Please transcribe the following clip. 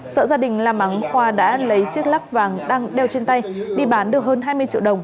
sợ gia đình làm mắng khoa đã lấy chiếc lắc vàng đang đeo trên tay đi bán được hơn hai mươi triệu đồng